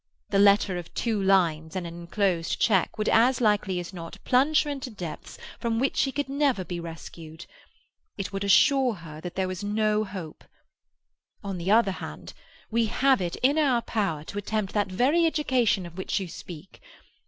The letter of two lines and an enclosed cheque would as likely as not plunge her into depths from which she could never be rescued. It would assure her that there was no hope. On the other hand, we have it in our power to attempt that very education of which you speak.